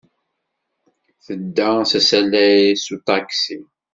Tedda s asalay s uṭaksi.